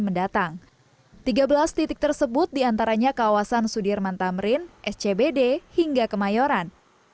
mendatang tiga belas titik tersebut diantaranya kawasan sudirman tamrin scbd hingga kemayoran